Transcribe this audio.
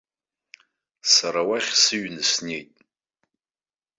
Сара уахь сыҩны снеит.